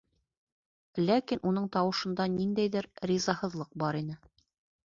Ләкин уның тауышында ниндәйҙер ризаһыҙлыҡ бар ине.